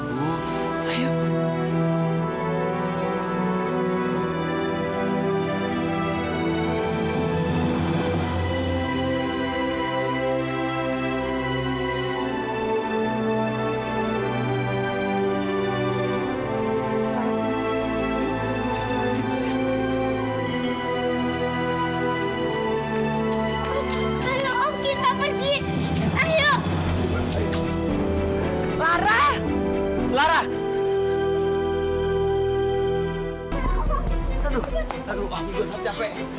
lara gak mau lari lagi om